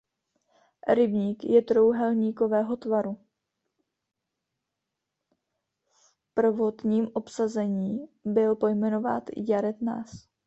V prvotním obsazení byl pojmenován Jared Nash.